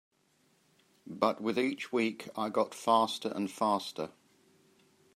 But with each week I got faster and faster.